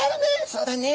「そうだね